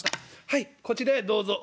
はいこちらへどうぞ」。